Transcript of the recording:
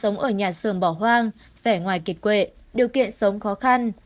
nhà sờm bỏ hoang vẻ ngoài kịch quệ điều kiện sống khó khăn